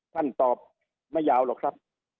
ท่านตอบไม่ยาวหรอกครับ